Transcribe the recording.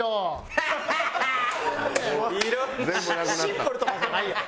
シンプルとかじゃないよ。